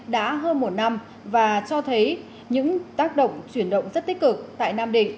đã hơn một năm và cho thấy những tác động chuyển động rất tích cực tại nam định